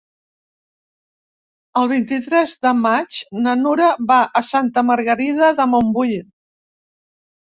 El vint-i-tres de maig na Nura va a Santa Margarida de Montbui.